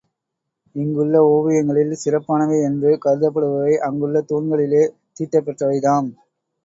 இங்குள்ள ஓவியங்களில் சிறப்பானவை என்று கருதப்படுபவை அங்குள்ள தூண்களிலே தீட்டப்பெற்றவைதாம்.